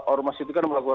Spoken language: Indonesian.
ormas itu kan melakukan